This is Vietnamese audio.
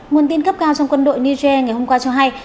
nguồn tin cấp cao trong quân đội niger ngày hôm qua cho hay